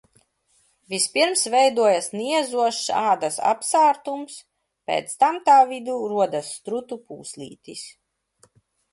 Vispirms veidojas niezošs ādas apsārtums, pēc tam tā vidū rodas strutu pūslītis.